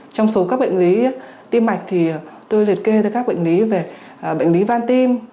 trong số các bệnh lý tim mạch thì tôi liệt kê ra các bệnh lý về bệnh lý van tim